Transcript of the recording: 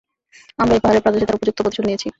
আমরা এই পাহাড়ের পাদদেশে তার উপযুক্ত প্রতিশোধ নিয়েছি।